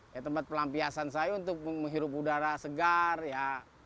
ya tempat pelampiasan saya untuk menghirup udara segar ya